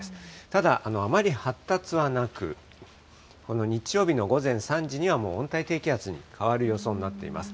ただ、あまり発達はなく、この日曜日の午前３時には、もう温帯低気圧に変わる予想になっています。